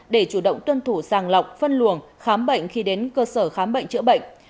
để chủ động tuân thủ sàng lọc phân luồng khám bệnh khi đến cơ sở khám bệnh chữa bệnh